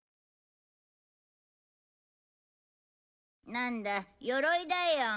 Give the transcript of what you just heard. なんだ鎧だよ。